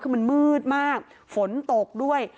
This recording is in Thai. คือมันมืดมากฝนตกด้วย